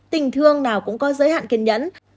tình thương nào cũng có giới hạn kiên nhẫn